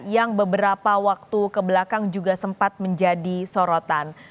yang beberapa waktu kebelakang juga sempat menjadi sorotan